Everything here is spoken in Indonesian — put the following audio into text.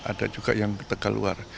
ada juga yang tegal luar